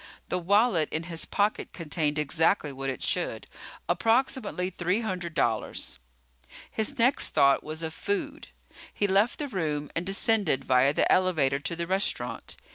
The wallet in his pocket contained exactly what it should, approximately three hundred dollars. His next thought was of food. He left the room and descended via the elevator to the restaurant.